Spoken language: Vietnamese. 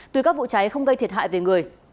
tuy các vụ cháy không gây thiệt hại về người